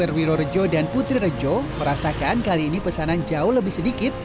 rwiro rejo dan putri rejo merasakan kali ini pesanan jauh lebih sedikit